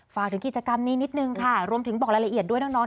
ฝากถึงกิจกรรมนี้นิดนึงค่ะรวมถึงบอกรายละเอียดด้วยน้อง